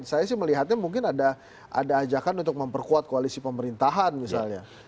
saya sih melihatnya mungkin ada ajakan untuk memperkuat koalisi pemerintahan misalnya